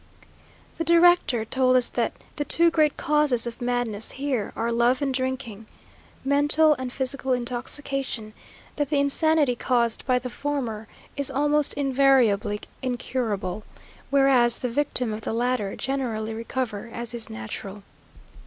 The director told us that the two great causes of madness here are love and drinking, (mental and physical intoxication); that the insanity caused by the former is almost invariably incurable, whereas the victims of the latter generally recover, as is natural.